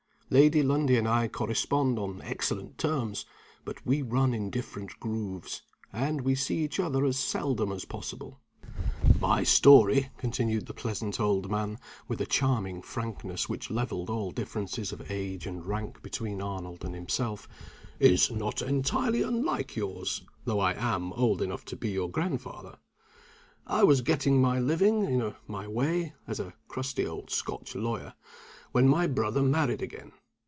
Lady Lundie and I correspond on excellent terms; but we run in different grooves, and we see each other as seldom as possible. My story," continued the pleasant old man, with a charming frankness which leveled all differences of age and rank between Arnold and himself, "is not entirely unlike yours; though I am old enough to be your grandfather. I was getting my living, in my way (as a crusty old Scotch lawyer), when my brother married again.